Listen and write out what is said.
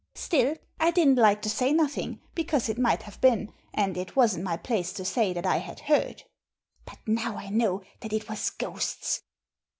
Still, I didn't like to say nothing, because it might have been, and it wasn't my place to say that I had heard. But now I know that it was ghosts."